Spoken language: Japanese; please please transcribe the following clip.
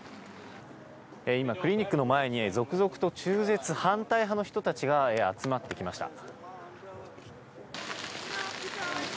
今クリニックの前に続々と中絶反対派の人たちが集まってきました。